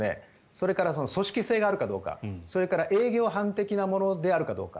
それから組織性があるかどうかそれから営業犯的なものであるかどうか。